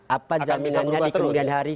apa jaminannya di kemudian hari